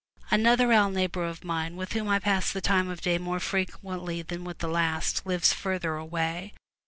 Another owl neighbor of mine, with whom I pass the time of day more frequently than with the last, lives farther away.